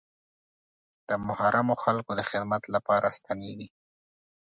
د محرومو خلکو د خدمت لپاره ستنېږي.